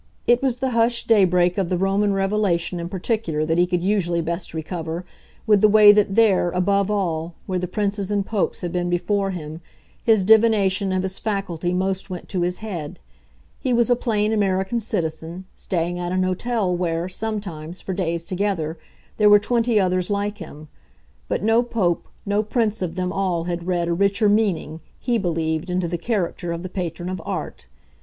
It was the hushed daybreak of the Roman revelation in particular that he could usually best recover, with the way that there, above all, where the princes and Popes had been before him, his divination of his faculty most went to his head. He was a plain American citizen, staying at an hotel where, sometimes, for days together, there were twenty others like him; but no Pope, no prince of them all had read a richer meaning, he believed, into the character of the Patron of Art.